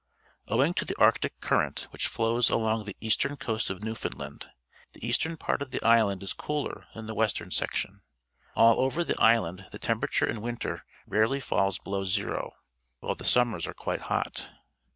— Owing to the Arctic Current which flows along the eastern coast of New foundland, the eastern part of the island js cooler than the western section. All over the island the temperature in winter rarely falls below zero, while the summers are quite hot.